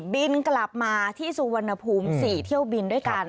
บินกลับมาที่สุวรรณภูมิ๔เที่ยวบินด้วยกัน